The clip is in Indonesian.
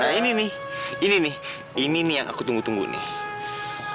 nah ini nih ini nih ini nih yang aku tunggu tunggu nih